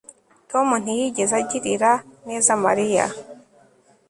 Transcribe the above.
Tom ntiyigeze agirira neza Mariya